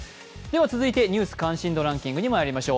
続いて「ニュース関心度ランキング」にまいりましょう。